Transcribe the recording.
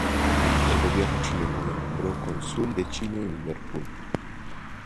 El gobierno chileno lo nombró cónsul de Chile en Liverpool.